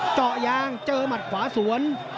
เจาะยางเจอหมัดขวาสวน